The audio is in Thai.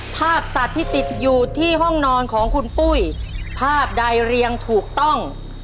ภาพสัตว์ที่ติดอยู่ที่ห้องนอนของคุณปุ้ยภาพใดเรียงถูกต้อง